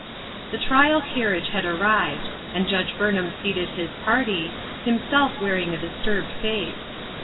The trial carriage had arrived, and Judge Burnham seated his party, himself wearing a disturbed face.